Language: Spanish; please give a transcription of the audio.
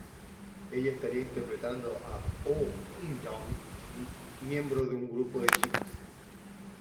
Ella estaría interpretando a Oh In Young, miembro de un grupo de chicas.